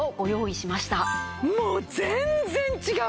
もう全然違うよ！